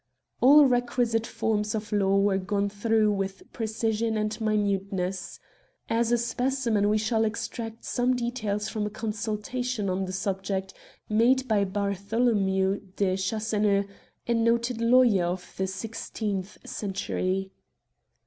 All requisite forms of law were gone through with precision and minuteness. As a specimen we shall extract some details from a consultation on the subject, made by Bartholomew de Chasseneux, a noted lawyer of the sixteenth century.